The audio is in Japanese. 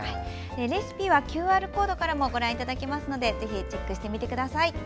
レシピはＱＲコードからもご覧いただけますのでぜひチェックしてみてください。